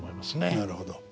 なるほど。